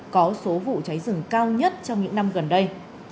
có số vụ cháy rừng cao nhất trong những năm gần đây